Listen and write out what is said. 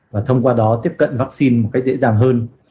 và thông qua đó tiếp cận vaccine một cách dễ dàng hơn